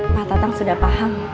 pak tatang sudah paham